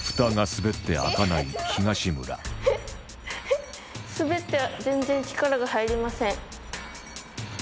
滑って全然力が入りません。